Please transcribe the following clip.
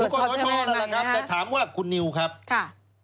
ก็สชนั่นแหละครับแต่ถามว่าคุณนิวครับค่ะ